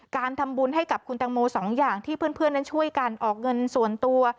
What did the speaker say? การทำบุญให้กับคุณตังโมสองอย่างที่เพื่อนนั้นช่วยกันออกเงินส่วนตัว